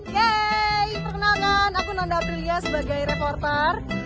yeay perkenangan aku nanda aprilia sebagai reporter